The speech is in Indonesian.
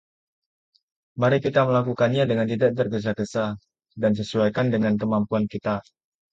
Mari kita melakukannya dengan tidak tergesa-gesa dan sesuaikan dengan kemampuan kita.